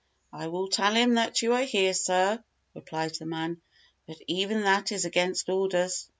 "I will tell him that you are here, sir," replied the man, "but even that is against orders."